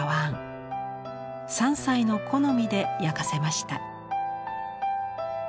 三斎の好みで焼かせました。